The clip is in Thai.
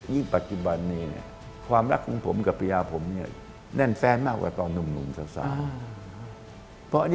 ยิ่งปัจจุบันนี้ความรักของผมกับพระเยาะผมแน่นแฟนมากกว่าตอนหนุ่มสัก๓